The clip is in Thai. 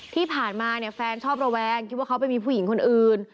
ที่ผ่านมาเนี่ยแฟนชอบระแวงคิดว่าเขาไปมีผู้หญิงคนอื่น